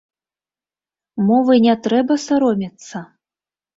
Мовы не трэба саромецца.